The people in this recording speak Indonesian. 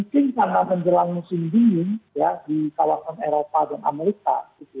karena menjelang musim dingin di kawasan eropa dan amerika